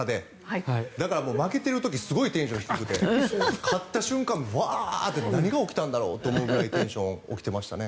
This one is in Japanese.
だから負けている時すごいテンション低くて勝った瞬間、うわーって何が起きたんだろうって思うくらいテンションが上がってましたね。